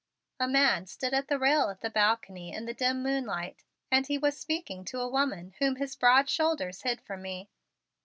A man stood at the rail of the balcony in the dim moonlight and he was speaking to a woman whom his broad shoulders hid from me.